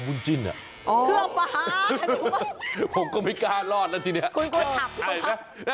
วังเจ้ามาฮั่น